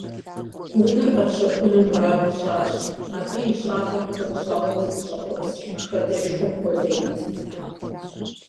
Унэр къэтщэхуну мурад тщӀащ, абы и щӏапӏэм куэд щӏауэ дызыщӀэхъуэпс жыг хадэшхуэм хуэдэ итт.